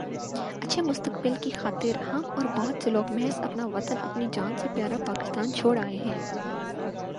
اچھے مستقبل کی خاطر ہم اور بہت سے لوگ محض اپنا وطن اپنی جان سے پیا را پاکستان چھوڑ آئے ہیں